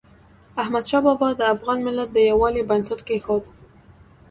احمدشاه بابا د افغان ملت د یووالي بنسټ کېښود.